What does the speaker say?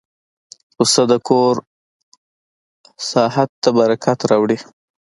پسه د کور ساحت ته برکت راوړي.